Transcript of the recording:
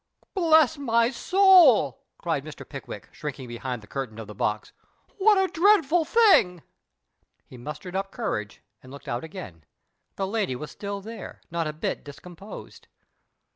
" Bless my soul," cried Mr. Pickwick, shrinking behind the curtain of the box, " wiiat a dreadful thing 1 " He mustered up courage, and looked out again. The lady was still there, not a bit discomposed.